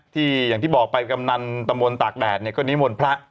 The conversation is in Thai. ที่อย่างที่บอกไปกำนันตะโมนตากแบดเนี่ยก็นิมวลพระ